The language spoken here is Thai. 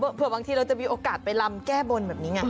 เผื่อบางทีเราจะมีโอกาสไปลำแก้บนแบบนี้ไง